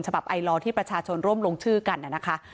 ฉบับไอลอร์ที่ประชาชนร่วมลงชื่อกันนะคะ